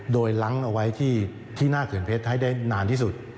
โดยล้างเอาไว้ที่หน้าเขื่อนเพชรให้ได้นานที่สุด